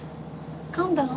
かんだの？